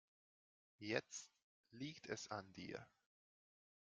Jetzt liegt es an dir.